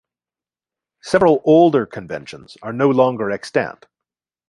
Several older conventions are no longer extant.